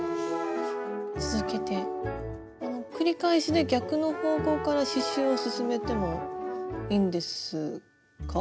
続けて繰り返しで逆の方向から刺しゅうを進めてもいいんですか？